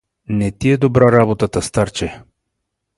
Не ти е добра работата, старче!